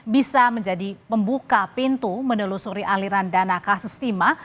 bisa menjadi pembuka pintu menelusuri aliran dana kasus timah